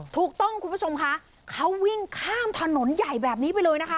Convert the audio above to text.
ถูกต้องคุณผู้ชมคะเขาวิ่งข้ามถนนใหญ่แบบนี้ไปเลยนะคะ